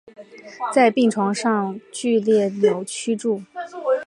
在病床上剧烈扭曲著